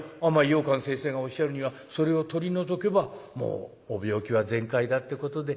ようかん先生がおっしゃるにはそれを取り除けばもうご病気は全快だってことで。